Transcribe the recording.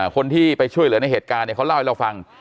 คนที่ไปช่วยเหลือในเหตุการณ์เขาเล่าให้เราฟัง